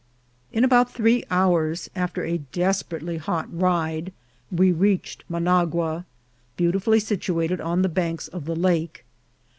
In about three hours, after a desperately hot ride, we reached Managua, beautifully situated on the banks of the lake.